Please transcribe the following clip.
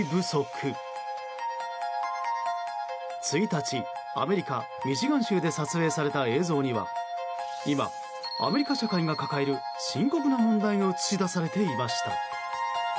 １日、アメリカ・ミシガン州で撮影された映像には今、アメリカ社会が抱える深刻な問題が映し出されていました。